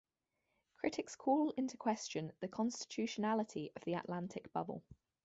Critics call into question the constitutionality of the Atlantic Bubble.